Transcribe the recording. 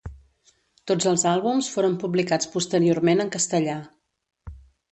Tots els àlbums foren publicats posteriorment en castellà.